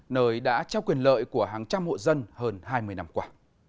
nơi đã trao quyền lợi của hàng trăm hộ dân hơn hai mươi năm qua